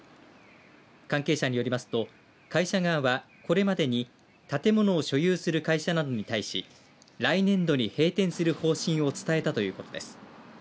関係者によりますと会社側は、これまでに建物を所有する会社などに対し来年度に閉店する方針を伝えたということです。